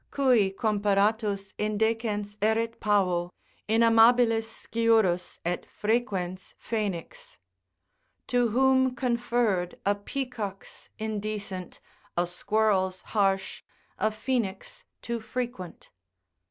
Cui comparatus indecens erit pavo, Inamabilis sciurus, et frequens Phoenix. To whom conferr'd a peacock's indecent, A squirrel's harsh, a phoenix too frequent.